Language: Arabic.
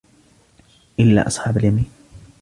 إلا أصحاب اليمين